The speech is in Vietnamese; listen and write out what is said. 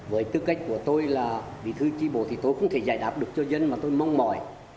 với tư cách của tôi là bí thư tri bộ thì tôi không thể giải đáp được cho dân mà tôi mong mỏi